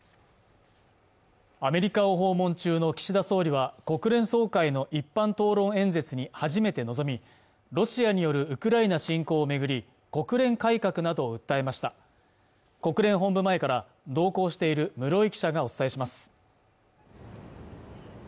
アメリカを訪問中の岸田総理は国連総会の一般討論演説に初めて臨みロシアによるウクライナ侵攻をめぐり国連改革などを訴えました国連本部前から同行している室井記者がお伝えします